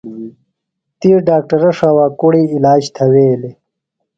تی ڈاکٹرہ ݜاوا کُڑی علاج تھویلیۡ۔